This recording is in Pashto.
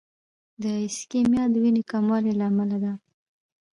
د ایسکیمیا د وینې کموالي له امله ده.